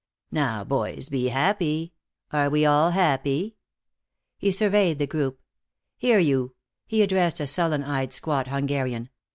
Now, boys, be happy. Are we all happy?" He surveyed the group. "Here, you," he addressed a sullen eyed squat Hungarian.